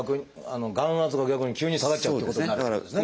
眼圧が逆に急に下がっちゃうってことになるってことですね。